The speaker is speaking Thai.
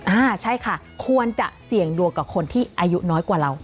อ่าใช่ค่ะควรจะเสี่ยงดวงกับคนที่อายุน้อยกว่าเรา